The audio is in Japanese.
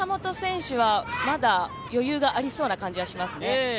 岡本選手はまだ余裕がありそうな感じがしますね。